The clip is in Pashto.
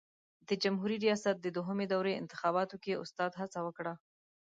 د جمهوري ریاست د دوهمې دورې انتخاباتو کې استاد هڅه وکړه.